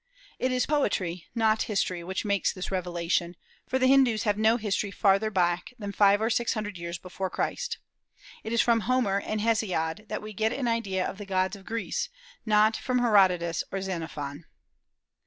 It is poetry, not history, which makes this revelation, for the Hindus have no history farther back than five or six hundred years before Christ. It is from Homer and Hesiod that we get an idea of the gods of Greece, not from Herodotus or Xenophon.